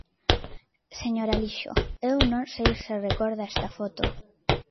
Señor Alixo, eu non sei se recorda esta foto.